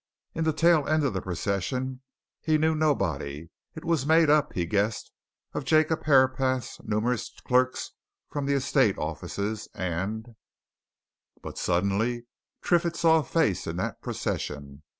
In the tail end of the procession he knew nobody; it was made up, he guessed, of Jacob Herapath's numerous clerks from the estate offices, and But suddenly Triffitt saw a face in that procession.